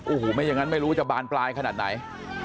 โอ้โหไม่อย่างนั้นไม่รู้จะบานปลายขนาดไหน